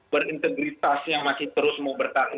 berintegritas yang masih terus mau bertarung